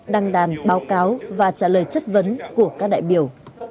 đăng đàn báo cáo và trả lời chất vấn của các đại biểu